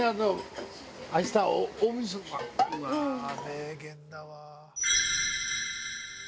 名言だわ。